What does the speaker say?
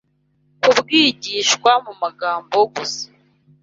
kubwigishwa mu magambo gusa